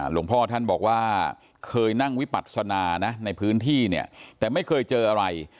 หลวงพ่อท่านบอกว่าเคยนั่งวิปัศนานะในพื้นที่เนี่ยแต่ไม่เคยเจออะไร